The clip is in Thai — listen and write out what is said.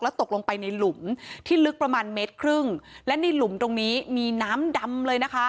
ตกลงไปในหลุมที่ลึกประมาณเมตรครึ่งและในหลุมตรงนี้มีน้ำดำเลยนะคะ